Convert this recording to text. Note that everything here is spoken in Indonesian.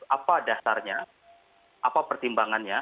apa dasarnya apa pertimbangannya